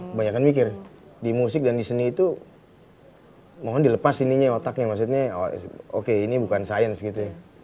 kebanyakan mikir di musik dan di seni itu mohon dilepas ininya otaknya maksudnya oke ini bukan sains gitu ya